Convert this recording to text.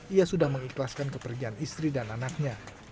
ia sudah mengikhlaskan kepergian istri dan anaknya